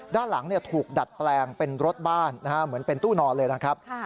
ด้านหลังถูกดัดแปลงเป็นรถบ้านเหมือนเป็นตู้นอนเลยนะครับ